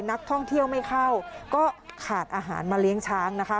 นักท่องเที่ยวไม่เข้าก็ขาดอาหารมาเลี้ยงช้างนะคะ